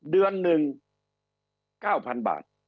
เดือนหนึ่ง๙๐๐๐บาท